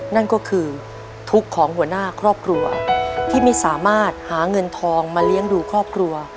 นั่นก็คือทุกข์ของหัวหน้าครอบครัวที่ไม่สามารถหาเงินทองมาเลี้ยงดูครอบครัว